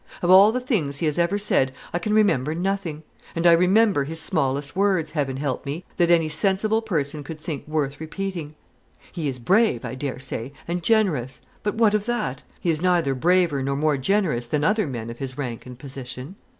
Of all the things he has ever said, I can remember nothing and I remember his smallest words, Heaven help me! that any sensible person could think worth repeating. He is brave, I dare say, and generous; but what of that? He is neither braver nor more generous than other men of his rank and position."